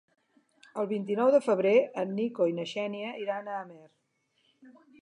El vint-i-nou de febrer en Nico i na Xènia iran a Amer.